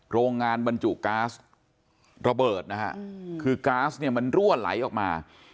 โรงงานบรรจุก๊าซระเบิดนะฮะคือก๊าซเนี่ยมันรั่วไหลออกมา